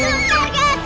apa masalahnya beraku